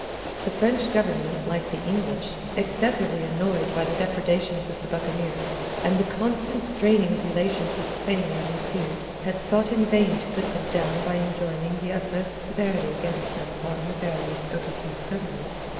The French Government, like the English, excessively annoyed by the depredations of the buccaneers, and the constant straining of relations with Spain that ensued, had sought in vain to put them down by enjoining the utmost severity against them upon her various overseas governors.